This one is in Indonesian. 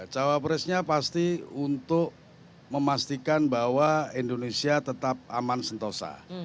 cawapresnya pasti untuk memastikan bahwa indonesia tetap aman sentosa